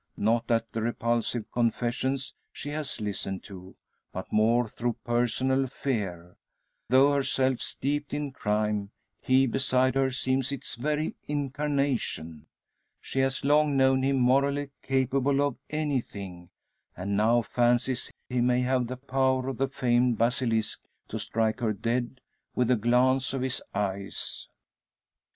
Not at the repulsive confessions she has listened to, but more through personal fear. Though herself steeped in crime, he beside her seems its very incarnation! She has long known him morally capable of anything, and now fancies he may have the power of the famed basilisk to strike her dead with a glance of his eyes!